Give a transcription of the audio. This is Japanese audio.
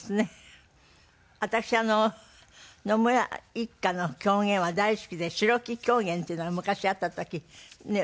私野村一家の狂言は大好きで白木狂言っていうのが昔あった時ねえ。